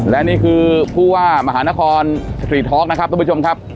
และนี่คือผู้ว่ามหานครสตรีทอล์กนะครับทุกผู้ชมครับ